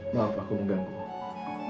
maaf aku mengganggu